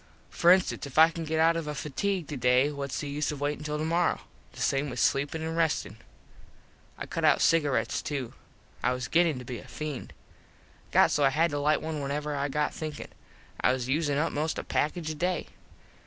For instance if I can get out of a fatigue today whats the use of waitin till tomorrow. The same with sleepin and restin. I cut out cigarets to. I was gettin to be a feend. Got so I had to lite one whenever I got thinkin. I was usin up most a package a day.